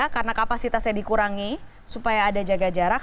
karena kapasitasnya dikurangi supaya ada jaga jarak